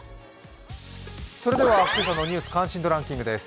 それでは今朝の「ニュース関心度ランキング」です。